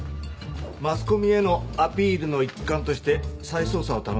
マスコミへのアピールの一環として再捜査を頼む。